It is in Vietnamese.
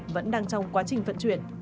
vẫn đang trong quá trình phận chuyển